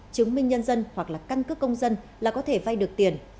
chứng minh nhân dân hoặc là căn cước công dân là có thể vay được tiền